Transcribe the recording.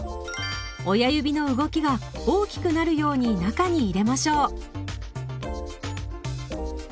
親指の動きが大きくなるように中に入れましょう。